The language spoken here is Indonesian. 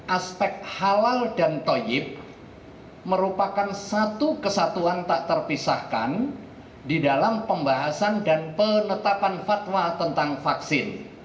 aspek halal dan toyib merupakan satu kesatuan tak terpisahkan di dalam pembahasan dan penetapan fatwa tentang vaksin